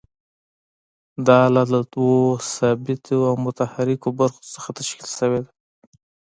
دا آله له دوو ثابتې او متحرکې برخو څخه تشکیل شوې ده.